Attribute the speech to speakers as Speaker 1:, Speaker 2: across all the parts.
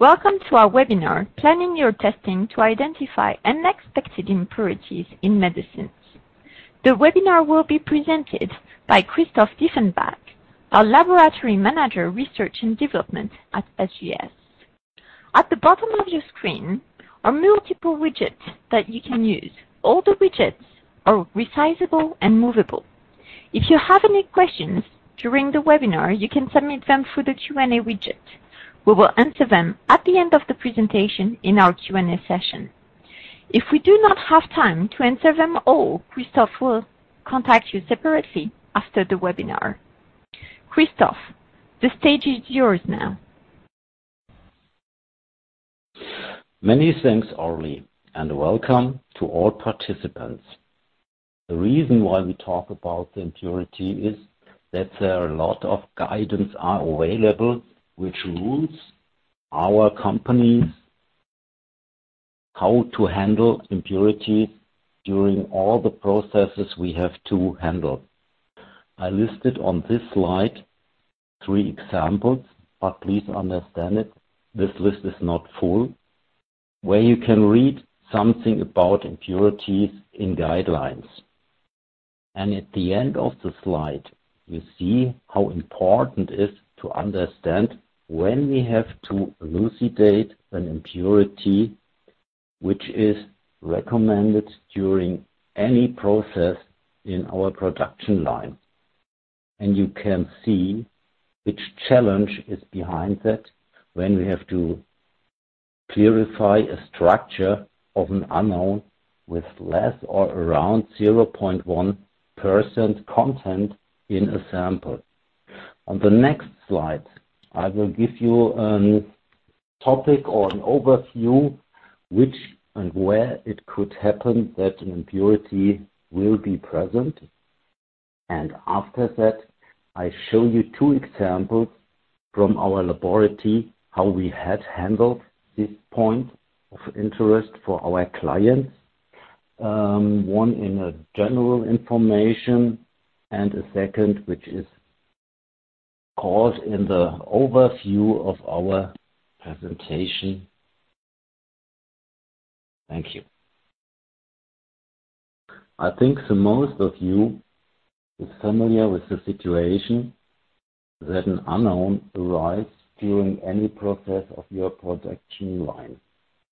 Speaker 1: Welcome to our webinar, Planning Your Testing to Identify Unexpected Impurities in Medicines. The webinar will be presented by Christoph Diefenbach, our Laboratory Manager, Research and Development at SGS. At the bottom of your screen are multiple widgets that you can use. All the widgets are resizable and movable. If you have any questions during the webinar, you can submit them through the Q&A widget. We will answer them at the end of the presentation in our Q&A session. If we do not have time to answer them all, Christoph will contact you separately after the webinar. Christoph, the stage is yours now.
Speaker 2: Many thanks, Aurelie, and welcome to all participants. The reason why we talk about the impurity is that there are a lot of guidance are available, which rules our companies how to handle impurities during all the processes we have to handle. I listed on this slide three examples, but please understand it, this list is not full, where you can read something about impurities in guidelines. At the end of the slide, you see how important it is to understand when we have to elucidate an impurity, which is recommended during any process in our production line. You can see which challenge is behind that when we have to clarify a structure of an unknown with less or around 0.1% content in a sample. On the next slide, I will give you a topic or an overview, which and where it could happen, that an impurity will be present. After that, I show you two examples from our laboratory, how we had handled this point of interest for our clients. One in a general information, and a second, which is, of course, in the overview of our presentation. Thank you. I think the most of you is familiar with the situation that an unknown arrives during any process of your production line.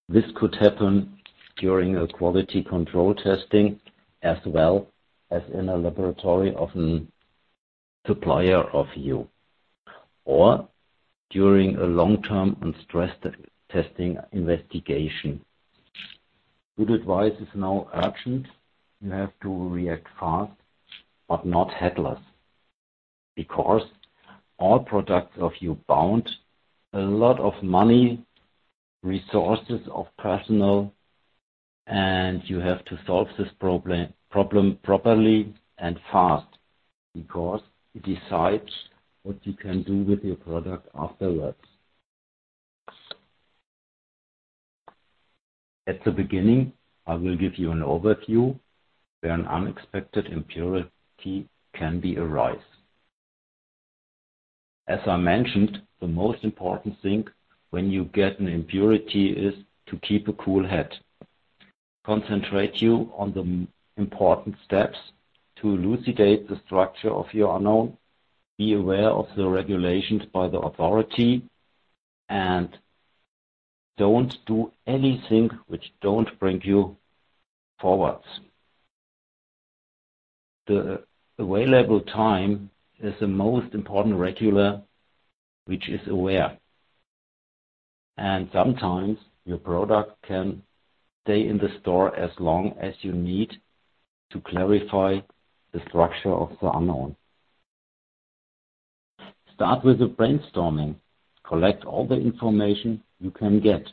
Speaker 2: This could happen during a quality control testing, as well as in a laboratory of a supplier of you, or during a long-term and stress testing investigation. Good advice is now urgent. You have to react fast, but not headless, because all products of you bound a lot of money, resources of personnel, and you have to solve this problem, problem properly and fast, because it decides what you can do with your product afterwards. At the beginning, I will give you an overview where an unexpected impurity can be arise. As I mentioned, the most important thing when you get an impurity is to keep a cool head. Concentrate you on the important steps to elucidate the structure of your unknown, be aware of the regulations by the authority, and don't do anything which don't bring you forward. The available time is the most important regular, which is aware, and sometimes your product can stay in the store as long as you need to clarify the structure of the unknown. Start with the brainstorming. Collect all the information you can get.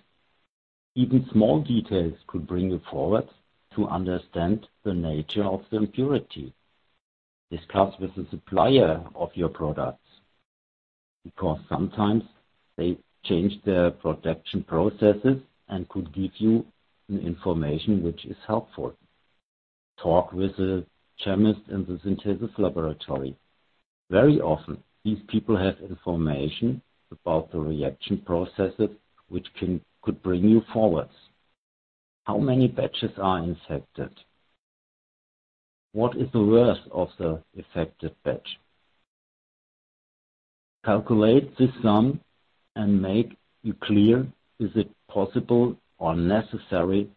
Speaker 2: Even small details could bring you forward to understand the nature of the impurity. Discuss with the supplier of your products, because sometimes they change their production processes and could give you an information which is helpful. Talk with the chemist in the synthesis laboratory. Very often, these people have information about the reaction processes, which could bring you forwards. How many batches are infected? What is the worth of the affected batch? Calculate this sum, and make you clear, is it possible or necessary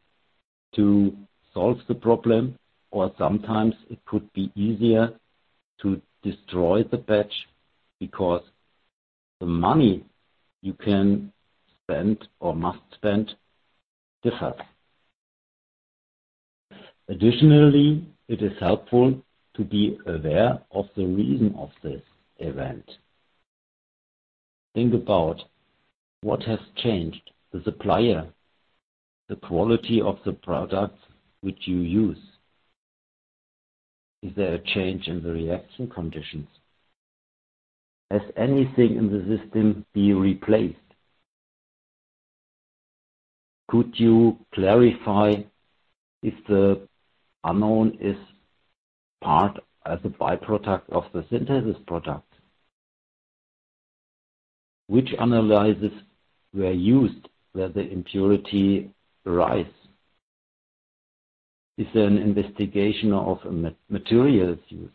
Speaker 2: to solve the problem? Or sometimes it could be easier to destroy the batch because the money you can spend or must spend, differs. Additionally, it is helpful to be aware of the reason of this event. Think about what has changed: the supplier, the quality of the products which you use. Is there a change in the reaction conditions? Has anything in the system been replaced? Could you clarify if the unknown is part as a byproduct of the synthesis product? Which analyses were used where the impurity arise? Is there an investigation of materials used?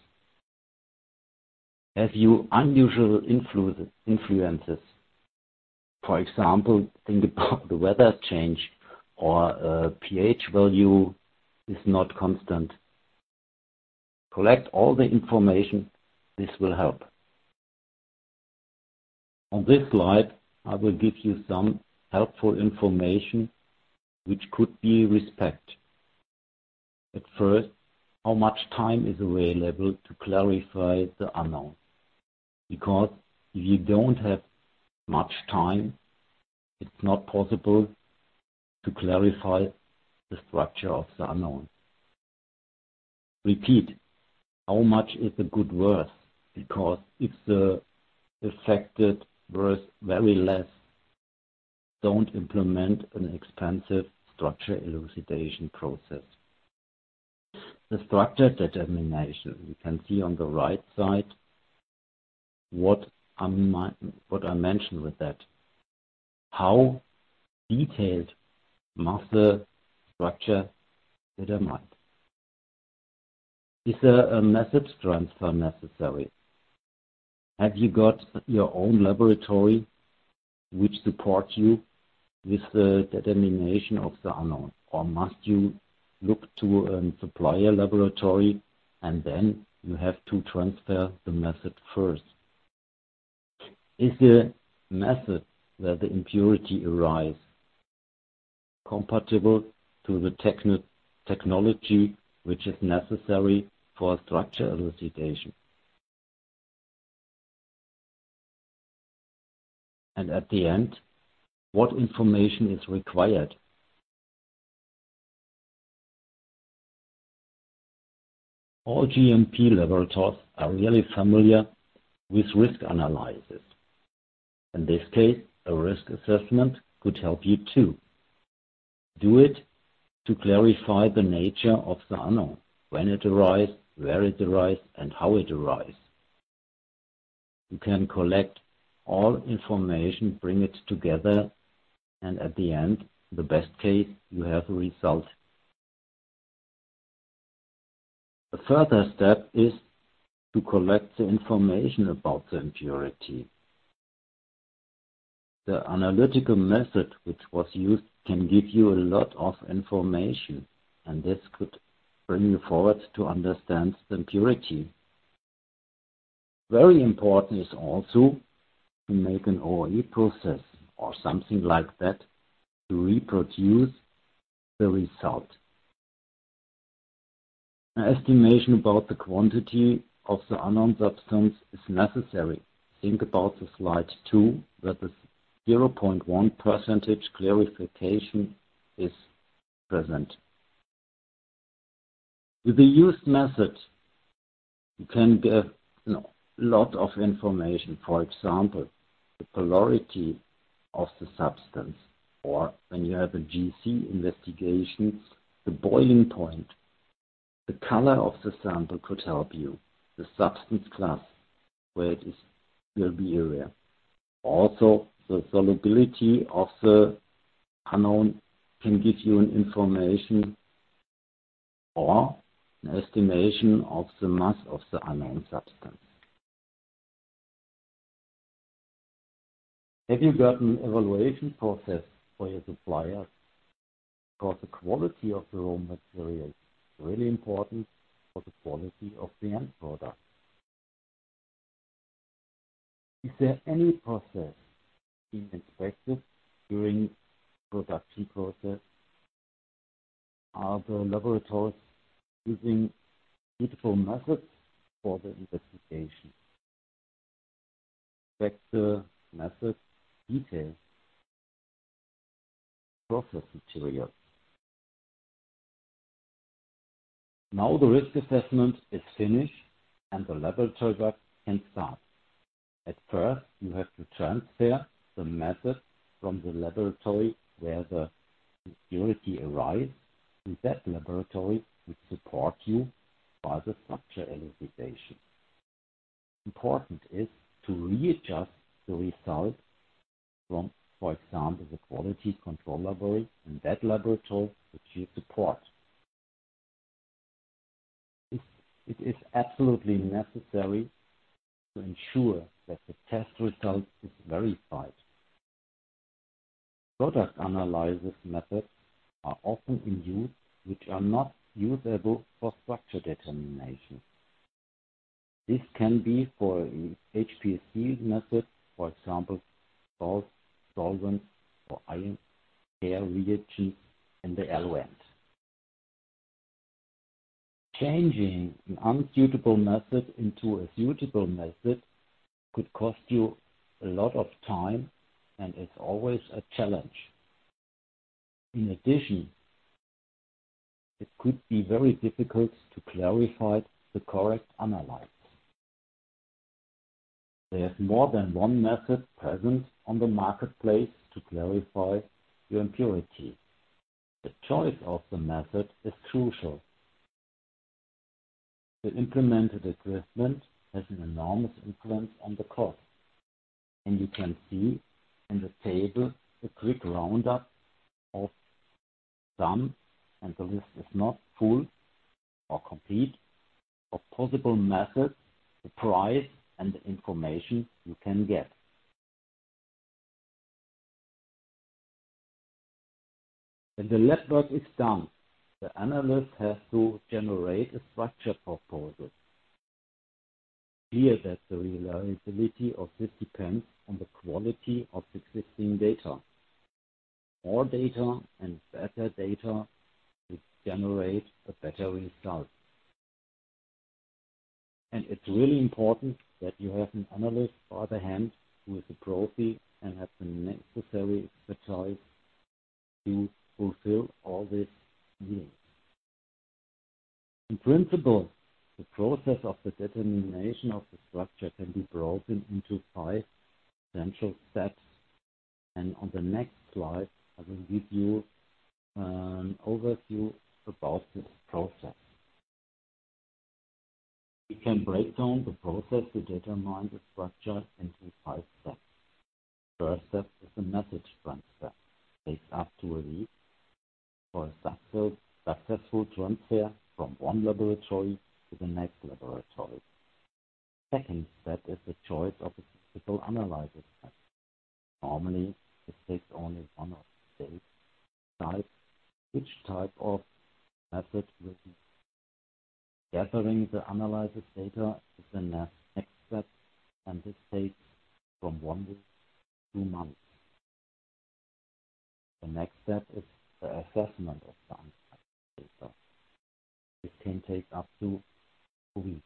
Speaker 2: Have you unusual influences, for example, in the weather change or pH value is not constant? Collect all the information. This will help. On this slide, I will give you some helpful information, which could be respected. At first, how much time is available to clarify the unknown? Because if you don't have much time, it's not possible to clarify the structure of the unknown. Repeat, how much is the good worth? Because if the affected worth very less, don't implement an expensive structure elucidation process. The structure determination, you can see on the right side, what I mentioned with that, how detailed must the structure determine? Is there a method transfer necessary? Have you got your own laboratory, which supports you with the determination of the unknown, or must you look to a supplier laboratory, and then you have to transfer the method first? Is the method where the impurity arise compatible to the technology, which is necessary for structure elucidation? And at the end, what information is required? All GMP laboratories are really familiar with risk analysis. In this case, a risk assessment could help you, too. Do it to clarify the nature of the unknown, when it arise, where it arise, and how it arise. You can collect all information, bring it together, and at the end, the best case, you have a result. A further step is to collect the information about the impurity. The analytical method, which was used, can give you a lot of information, and this could bring you forward to understand the impurity. Very important is also to make an OOE process or something like that, to reproduce the result. An estimation about the quantity of the unknown substance is necessary. Think about the slide two, that the 0.1% clarification is present. With the used method, you can get a lot of information, for example, the polarity of the substance, or when you have a GC investigation, the boiling point. The color of the sample could help you. The substance class, where it is, will be rare. Also, the solubility of the unknown can give you an information or an estimation of the mass of the unknown substance. Have you got an evaluation process for your suppliers? Because the quality of the raw material is really important for the quality of the end product. Is there any process being inspected during production process? Are the laboratories using suitable methods for the investigation? Check the method details, process materials. Now, the risk assessment is finished, and the laboratory work can start. At first, you have to transfer the method from the laboratory where the impurity arise, to that laboratory, which support you by the structure elucidation. Important is to readjust the result from, for example, the quality control laboratory, and that laboratory which you support. It, it is absolutely necessary to ensure that the test result is verified. Product analysis methods are often in use, which are not usable for structure determination. This can be for HPLC method, for example, salts, solvents, or ion pair reagents in the eluent. Changing an unsuitable method into a suitable method could cost you a lot of time, and it's always a challenge. In addition, it could be very difficult to clarify the correct analyte. There is more than one method present on the marketplace to clarify your impurity. The choice of the method is crucial. The implemented equipment has an enormous influence on the cost, and you can see in the table a quick roundup of some, and the list is not full or complete, of possible methods, the price, and the information you can get. When the lab work is done, the analyst has to generate a structure proposal. Be it that the reliability of this depends on the quality of the existing data. More data, and better data will generate a better result. It's really important that you have an analyst on the other hand, who is a prophy and has the necessary expertise to fulfill all these needs. In principle, the process of the determination of the structure can be broken into five essential steps, and on the next slide, I will give you an overview about this process. We can break down the process to determine the structure into five steps. First step is the method transfer. Takes up to a week for a successful transfer from one laboratory to the next laboratory. Second step is the choice of the analytical analysis method. Normally, it takes only one or two days to decide which type of method will be. Gathering the analysis data is the next step, and this takes from one week to two months. The next step is the assessment of the analysis data. This can take up to two weeks.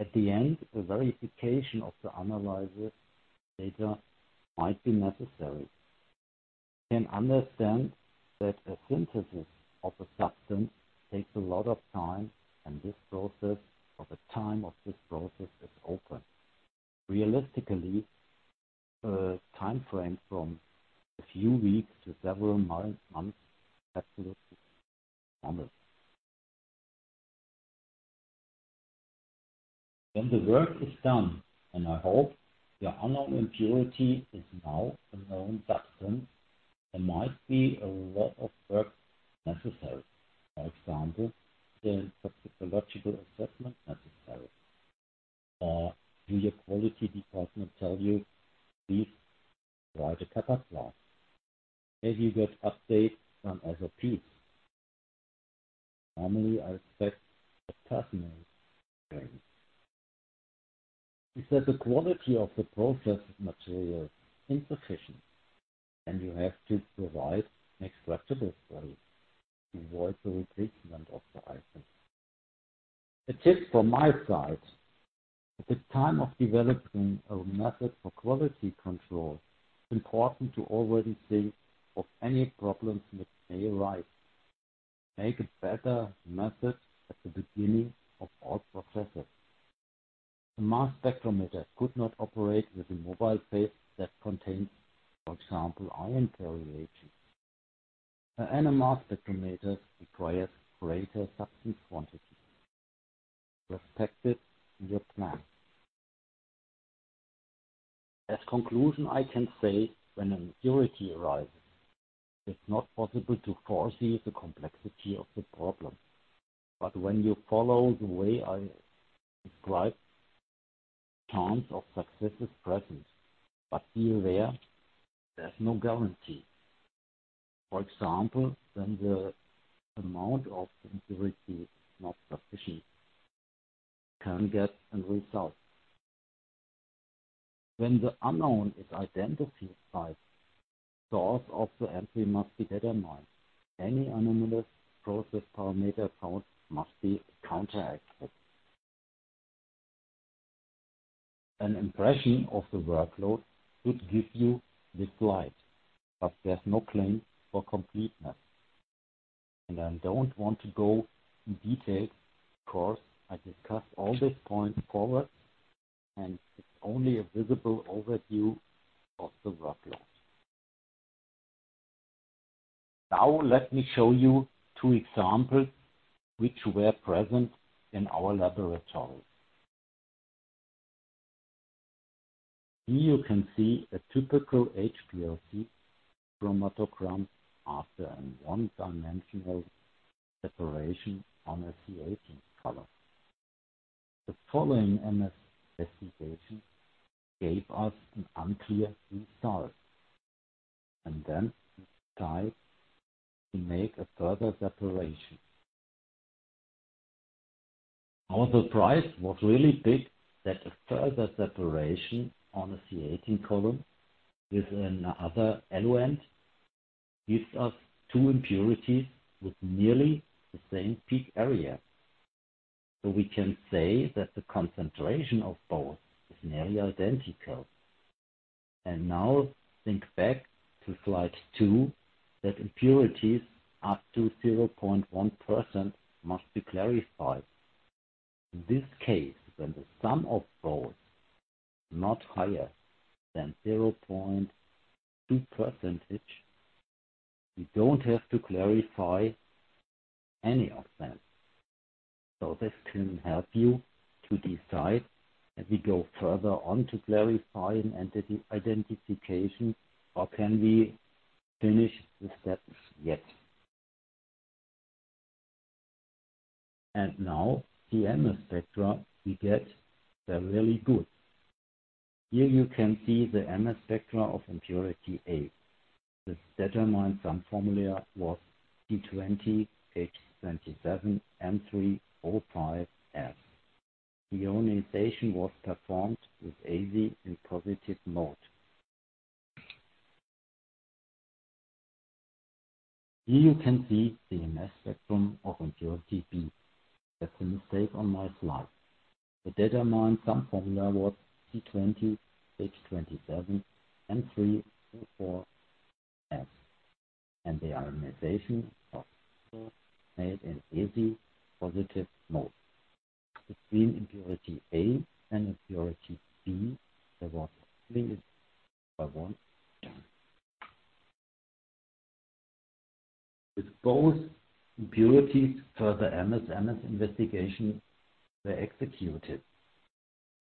Speaker 2: At the end, the verification of the analysis data might be necessary. You can understand that a synthesis of a substance takes a lot of time, and this process, or the time of this process, is open. Realistically, a timeframe from a few weeks to several months, months, absolutely normal. When the work is done, and I hope your unknown impurity is now a known substance, there might be a lot of work necessary. For example, is a toxicological assessment necessary? Or do your quality department tell you, "Please write a catalog." Have you got updates on other pieces? Normally, I expect a personal training. Is that the quality of the processed material insufficient, and you have to provide an extractable study to avoid the replacement of the item. A tip from my side, at the time of developing a method for quality control, it's important to already think of any problems that may arise. Make a better method at the beginning of all processes. A mass spectrometer could not operate with a mobile phase that contains, for example, ion pairing agents. An NMR spectrometer requires greater substance quantities. Respect it in your plan. As conclusion, I can say when an impurity arises, it's not possible to foresee the complexity of the problem. But when you follow the way I described, chance of success is present. But be aware, there's no guarantee. For example, when the amount of impurity is not sufficient, you can get a result. When the unknown is identified, source of the entry must be determined. Any anomalous process parameter found must be counteracted. An impression of the workload should give you this slide, but there's no claim for completeness, and I don't want to go in detail, because I discussed all these points forward, and it's only a visible overview of the workload. Now, let me show you two examples which were present in our laboratory. Here you can see a typical HPLC chromatogram after a one-dimensional separation on a C18 column. The following MS investigation gave us an unclear result, and then we decided to make a further separation. Our surprise was really big that a further separation on a C18 column with another eluent gives us two impurities with nearly the same peak area. So we can say that the concentration of both is nearly identical. And now think back to slide two, that impurities up to 0.1% must be clarified. In this case, when the sum of both not higher than 0.2%, you don't have to clarify any of them. So this can help you to decide as we go further on, to clarify an entity identification, or can we finish the steps yet? And now the MS spectra we get, they're really good. Here you can see the MS spectra of impurity A. The determined sum formula was C20H27N3O5S. The ionization was performed with AVD in positive mode. Here you can see the MS spectrum of impurity B. That's a mistake on my slide. The determined sum formula was C20H27N3O4S, and the ionization was also made in AVD positive mode. Between impurity A and impurity B, there was only difference by one oxygen. With both impurities, further MS-MS investigation were executed,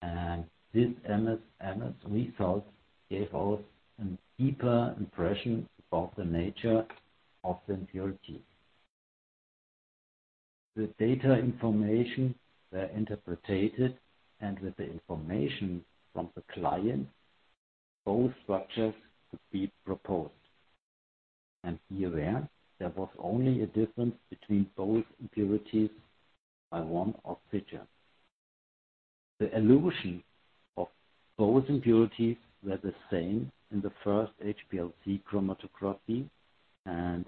Speaker 2: and this MS-MS result gave us a deeper impression about the nature of the impurity. The data information were interpreted, and with the information from the client, both structures could be proposed. Be aware, there was only a difference between both impurities by one oxygen. The elution of both impurities were the same in the first HPLC chromatography, and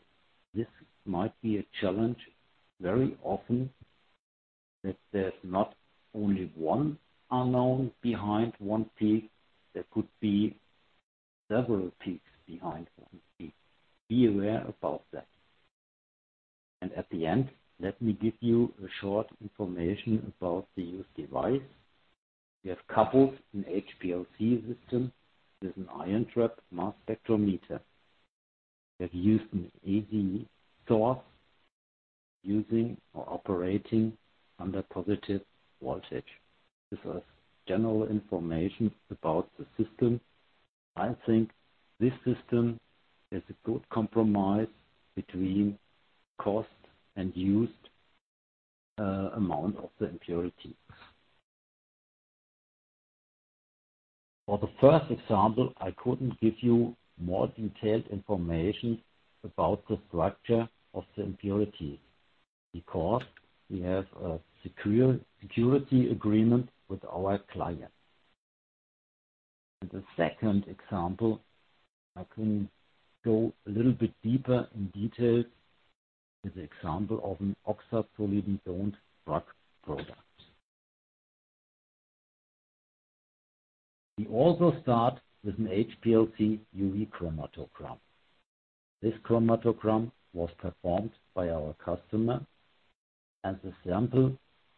Speaker 2: this might be a challenge very often, that there's not only one unknown behind one peak. There could be several peaks behind one peak. Be aware about that. At the end, let me give you a short information about the used device. We have coupled an HPLC system with an ion trap mass spectrometer. We have used an AVD source, using or operating under positive voltage. This is general information about the system. I think this system is a good compromise between cost and used amount of the impurities. For the first example, I couldn't give you more detailed information about the structure of the impurity, because we have a secure purity agreement with our client. In the second example, I can go a little bit deeper in detail, with the example of an oxazolidinone drug product. We also start with an HPLC-UV chromatogram. This chromatogram was performed by our customer, and the sample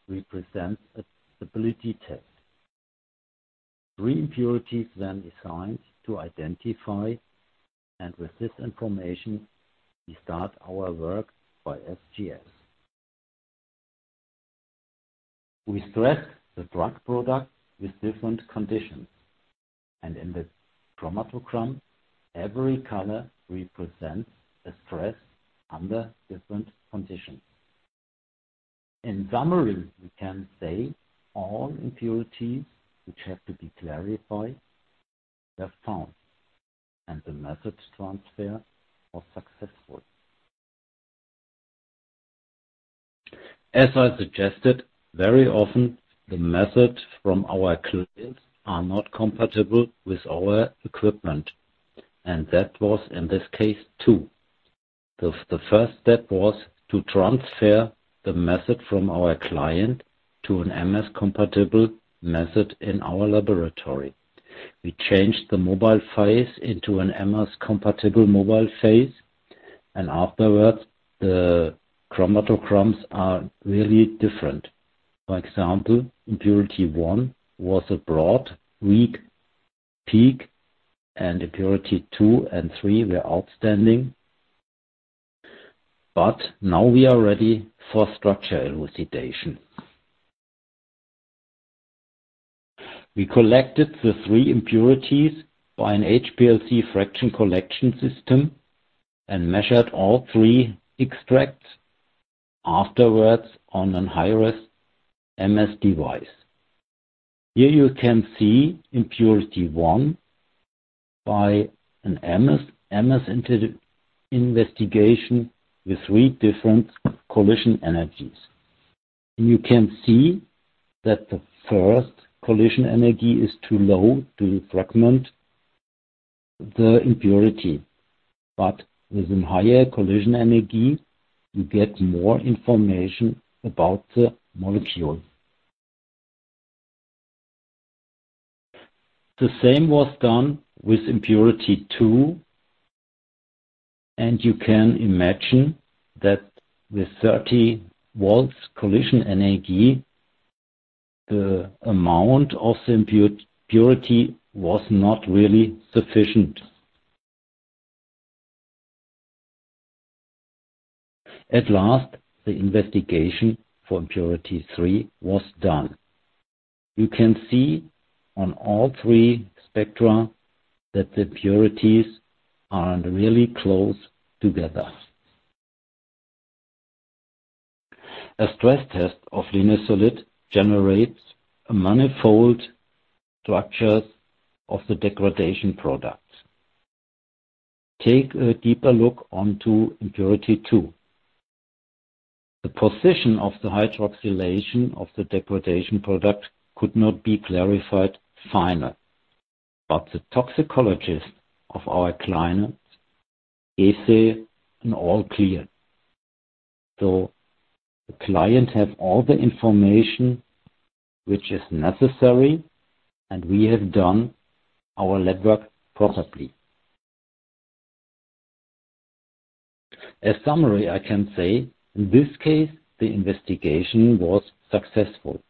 Speaker 2: represents a stability test. Three impurities were assigned to identify, and with this information, we start our work by SGS. We stress the drug product with different conditions, and in the chromatogram, every color represents a stress under different conditions. In summary, we can say all impurities which have to be clarified were found, and the method transfer was successful. As I suggested, very often the methods from our clients are not compatible with our equipment, and that was in this case, too. The first step was to transfer the method from our client to an MS-compatible method in our laboratory. We changed the mobile phase into an MS-compatible mobile phase, and afterwards, the chromatograms are really different. For example, impurity one was a broad, weak peak, and impurity two and three were outstanding. But now we are ready for structure elucidation. We collected the three impurities by an HPLC fraction collection system and measured all three extracts afterwards on a high-res MS device. Here you can see impurity one by an MS/MS into the investigation with three different collision energies. You can see that the first collision energy is too low to fragment the impurity, but with a higher collision energy, you get more information about the molecule. The same was done with impurity two, and you can imagine that with 30 volts collision energy, the amount of the impurity was not really sufficient. At last, the investigation for impurity three was done. You can see on all three spectra that the impurities are really close together. A stress test of Linezolid generates a manifold structures of the degradation products. Take a deeper look onto impurity two. The position of the hydroxylation of the degradation product could not be clarified final, but the toxicologist of our client, they say, an all clear. So the client have all the information which is necessary, and we have done our lab work properly. As summary, I can say, in this case, the investigation was successful.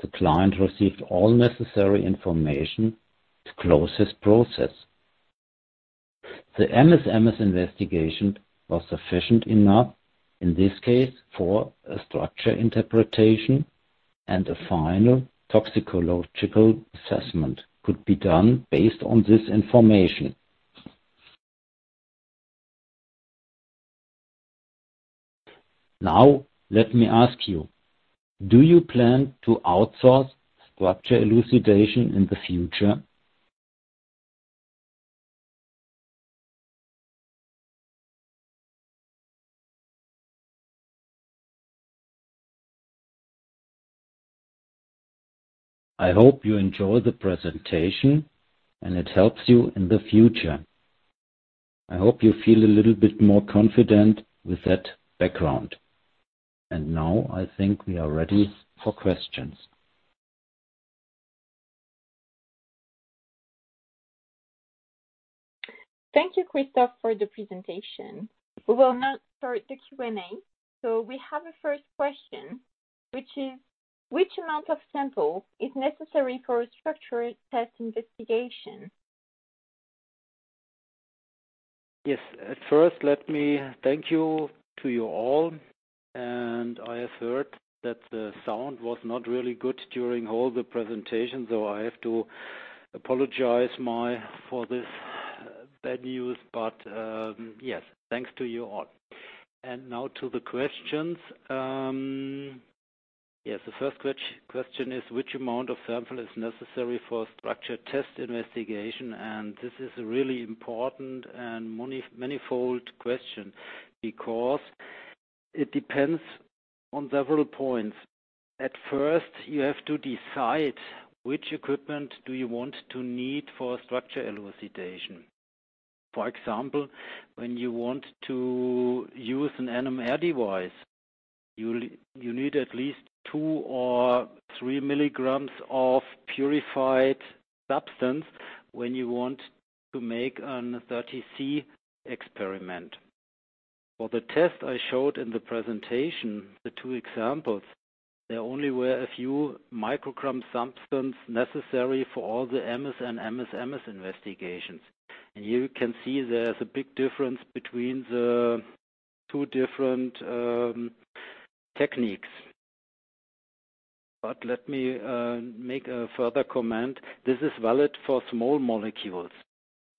Speaker 2: The client received all necessary information to close this process. The MS/MS investigation was sufficient enough, in this case, for a structure interpretation, and a final toxicological assessment could be done based on this information. Now, let me ask you, do you plan to outsource structure elucidation in the future? I hope you enjoy the presentation, and it helps you in the future. I hope you feel a little bit more confident with that background. And now, I think we are ready for questions.
Speaker 1: Thank you, Christoph, for the presentation. We will now start the Q&A. So we have a first question, which is: Which amount of sample is necessary for a structure test investigation?
Speaker 2: Yes. At first, let me thank you to you all, and I have heard that the sound was not really good during all the presentation, so I have to apologize for this bad news. But, yes, thanks to you all. And now to the questions. Yes, the first question is, which amount of sample is necessary for structure test investigation? And this is a really important and manifold question because it depends on several points. At first, you have to decide which equipment do you want to need for structure elucidation. For example, when you want to use an NMR device, you'll need at least 2-3 mg of purified substance when you want to make an LC experiment. For the test I showed in the presentation, the two examples, there only were a few microgram substance necessary for all the MS and MSMS investigations. You can see there's a big difference between the two different techniques. Let me make a further comment. This is valid for small molecules.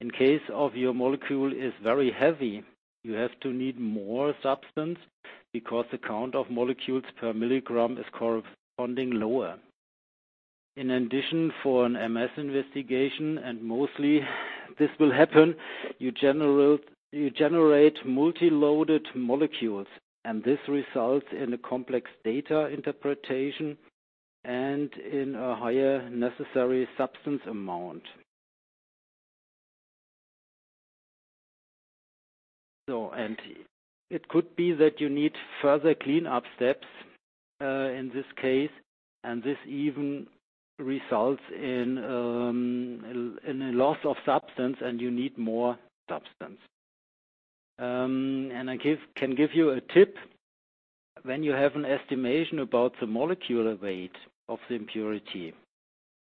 Speaker 2: In case of your molecule is very heavy, you have to need more substance because the count of molecules per milligram is corresponding lower. In addition, for an MS investigation, and mostly this will happen, you generate multi-loaded molecules, and this results in a complex data interpretation and in a higher necessary substance amount. It could be that you need further cleanup steps in this case, and this even results in a loss of substance, and you need more substance. Can give you a tip. When you have an estimation about the molecular weight of the impurity,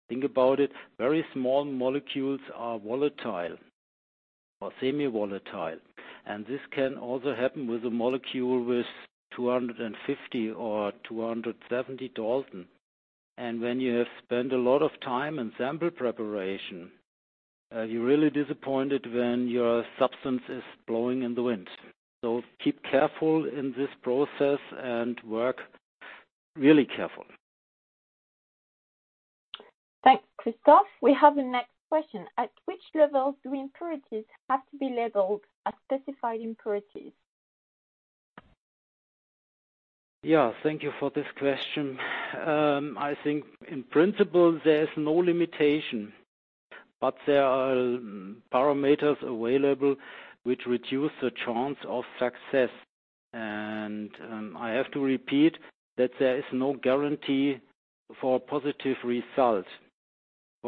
Speaker 2: think about it, very small molecules are volatile or semi-volatile, and this can also happen with a molecule with 250 or 270 Dalton. And when you have spent a lot of time in sample preparation, you're really disappointed when your substance is blowing in the wind. So keep careful in this process and work really careful.
Speaker 1: Thanks, Christoph. We have the next question. At which level do impurities have to be labeled as specified impurities?
Speaker 2: Yeah, thank you for this question. I think in principle, there's no limitation... But there are parameters available which reduce the chance of success. And, I have to repeat that there is no guarantee for positive results. For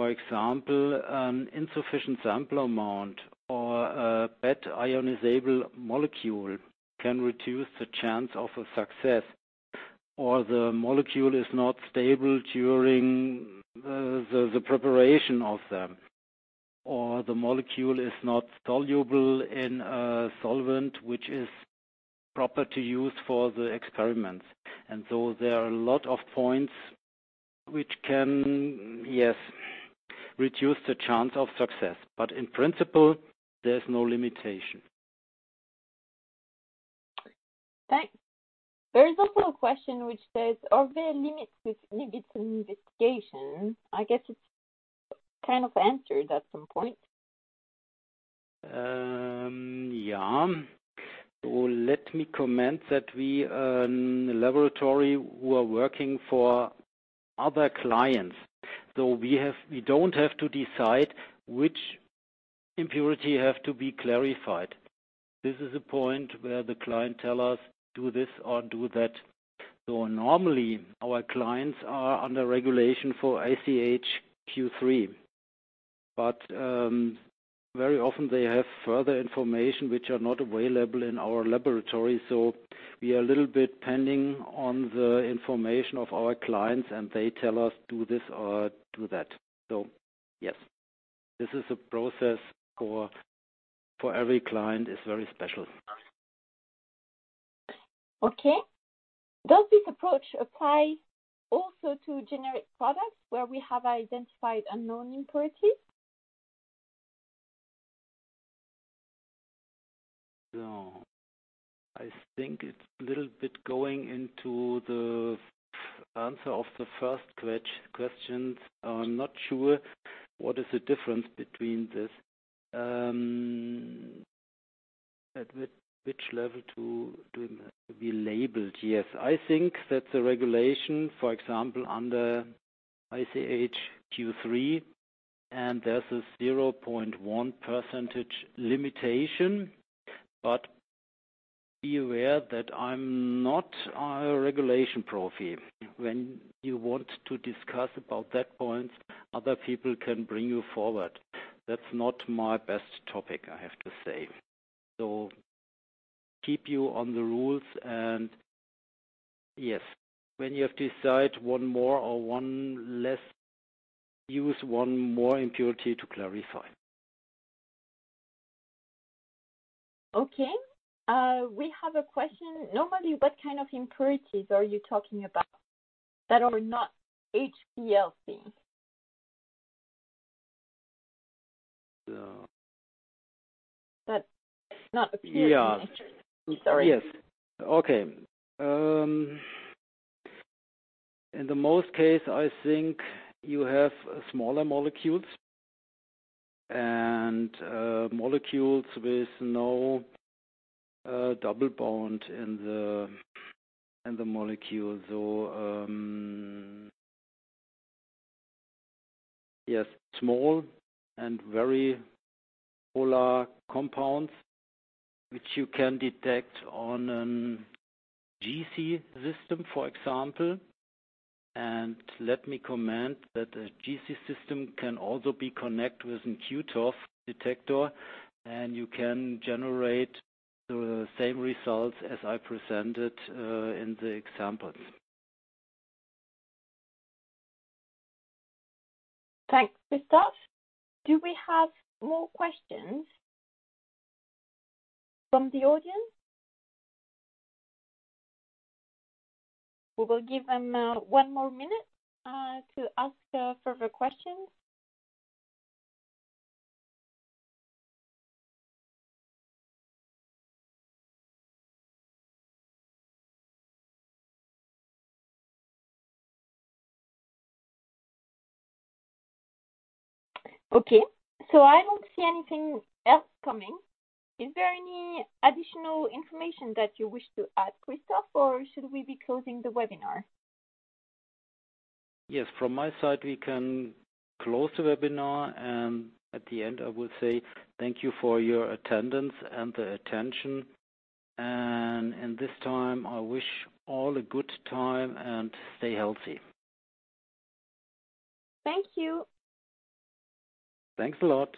Speaker 2: example, an insufficient sample amount or a bad ionizable molecule can reduce the chance of a success, or the molecule is not stable during the preparation of them, or the molecule is not soluble in a solvent, which is proper to use for the experiments. And so there are a lot of points which can, yes, reduce the chance of success, but in principle, there's no limitation.
Speaker 1: Thanks. There is also a question which says: Are there limits with limits in investigation? I guess it's kind of answered at some point.
Speaker 2: Yeah. So let me comment that we are in a laboratory, we are working for other clients, so we have we don't have to decide which impurity have to be clarified. This is a point where the client tell us, do this or do that. So normally, our clients are under regulation for ICH Q3, but very often they have further information which are not available in our laboratory, so we are a little bit pending on the information of our clients, and they tell us, do this or do that. So yes, this is a process for every client, is very special.
Speaker 1: Okay. Does this approach apply also to generic products where we have identified unknown impurities?
Speaker 2: So I think it's a little bit going into the answer of the first question. I'm not sure what is the difference between this, at which level to, to be labeled? Yes, I think that the regulation, for example, under ICH Q3, and there's a 0.1% limitation, but be aware that I'm not a regulation pro here. When you want to discuss about that point, other people can bring you forward. That's not my best topic, I have to say. So keep you on the rules, and yes, when you have to decide one more or one less, use one more impurity to clarify.
Speaker 1: Okay, we have a question. Normally, what kind of impurities are you talking about that are not HPLC?
Speaker 2: So.
Speaker 1: That not appear.
Speaker 2: Yeah.
Speaker 1: I'm sorry.
Speaker 2: Yes. Okay, in most cases, I think you have smaller molecules and molecules with no double bond in the molecule. So, yes, small and very polar compounds, which you can detect on a GC system, for example. And let me comment that a GC system can also be connected with a QTOF detector, and you can generate the same results as I presented in the examples.
Speaker 1: Thanks, Christoph. Do we have more questions from the audience? We will give them one more minute to ask further questions. Okay, so I don't see anything else coming. Is there any additional information that you wish to add, Christoph, or should we be closing the webinar?
Speaker 2: Yes, from my side, we can close the webinar, and at the end, I will say thank you for your attendance and the attention, and in this time, I wish all a good time and stay healthy.
Speaker 1: Thank you.
Speaker 2: Thanks a lot.